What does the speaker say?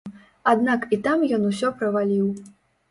Аднак і там ён усё праваліў.